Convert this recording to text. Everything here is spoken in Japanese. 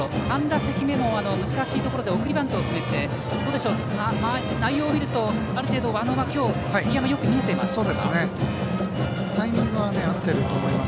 ３打席目も難しいところで送りバントを決めて内容を見ると、ある程度輪野は今日、杉山がよく見えていますか。